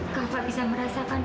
kava bisa merasakan